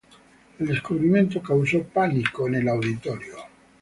El descubrimiento causó pánico en el auditorio.